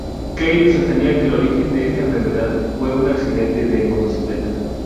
Keith sostenía que el origen de esta enfermedad fue un accidente de motocicleta.